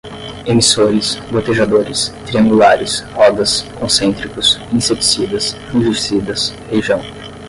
emissores, gotejadores, triangulares, rodas, concêntricos, inseticidas, fungicidas, feijão